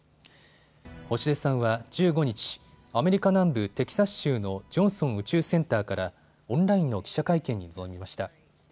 星出さんは１５日、アメリカ南部テキサス州のジョンソン宇宙センターからオンラインの記者会見に臨みました。